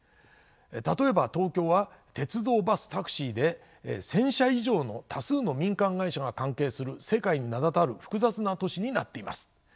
例えば東京は鉄道バスタクシーで１，０００社以上の多数の民間会社が関係する世界に名だたる複雑な都市になっています。